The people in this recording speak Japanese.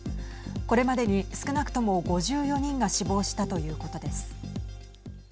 これまでに少なくとも５４人が死亡したということです。